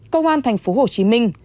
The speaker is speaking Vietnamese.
công an thành phố hồ chí minh